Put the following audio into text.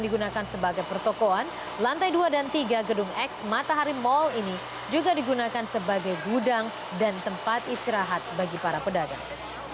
digunakan sebagai pertokoan lantai dua dan tiga gedung x matahari mal ini juga digunakan sebagai gudang dan tempat istirahat bagi para pedagang